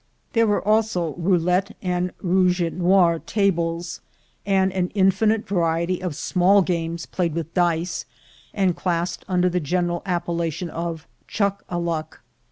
There were also 70 THE GOLD HUNTERS roulette and rouge et noir tables, and an infinite variety of small games played with dice, and classed under the general appellation of "chuck a luck."